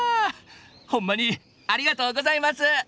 ほんまにありがとうございます！